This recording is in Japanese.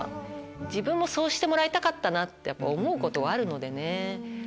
自分もそうしてもらいたかったなって思うことはあるのでね。